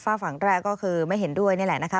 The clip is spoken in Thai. ฝากฝั่งแรกก็คือไม่เห็นด้วยนี่แหละนะคะ